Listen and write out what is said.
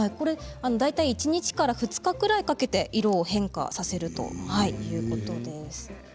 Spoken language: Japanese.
大体、１日から２日ぐらいかけて色を変化させるということです。